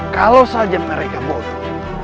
kalau saja mereka bodoh